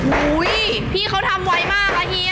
อุ๊ยพี่เค้าทำไว้มากอะเฮีย